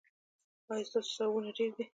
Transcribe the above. ایا ستاسو ثوابونه ډیر دي؟